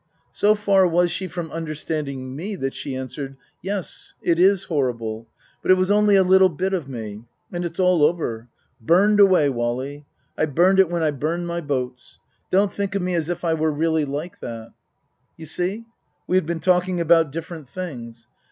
So far was she from understanding me that she answered :" Yes, it is horrible. But it was only a little bit of me. And it's all over. Burned away, Wally. I burned it when I burned my boats. Don't think of me as if I were really like that." You see ? We had been talking about different things.